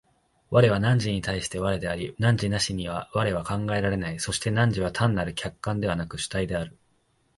我は汝に対して我であり、汝なしには我は考えられない、そして汝は単なる客観でなく主体である。